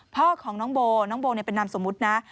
พ่อของน้องโบน้องโบเป็นนามสมมุตินะ